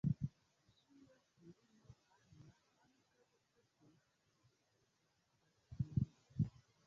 Ŝia filino Anna ankaŭ estas konata aktorino.